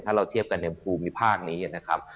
ถ้าเราเทียบกันในภูมิภาคนี้นะครับ